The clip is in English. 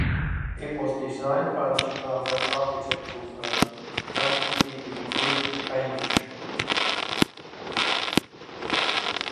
It was designed by the Chicago architectural firm Hammond Beeby Rupert Ainge.